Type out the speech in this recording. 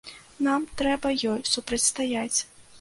Нам трэба ёй супрацьстаяць.